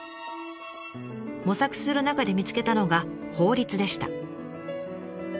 模索する中で見つけたのが法律でした。